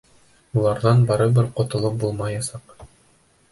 Уларҙан барыбер ҡотолоп булмаясаҡ.